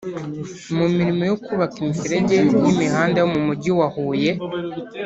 mu mirimo yo kubaka imiferege y’imihanda yo mu mujyi wa Huye